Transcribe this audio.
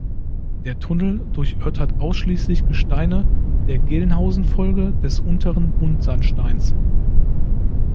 Der Tunnel durchörtert ausschließlich Gesteine der "Gelnhausen-Folge" des Unteren Buntsandsteins.